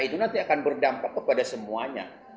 itu nanti akan berdampak kepada semuanya